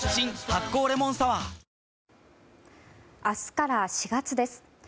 明日から４月です。